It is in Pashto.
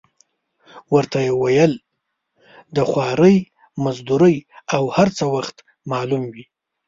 ورته ویې ویل: د خوارۍ مزدورۍ او هر څه وخت معلوم وي.